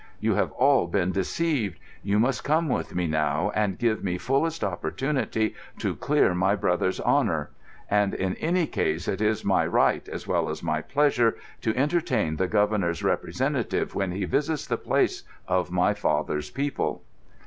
You have all been deceived. You must come with me now, and give me fullest opportunity to clear my brother's honour. And in any case it is my right, as well as my pleasure, to entertain the Governor's representative when he visits the place of my father's people."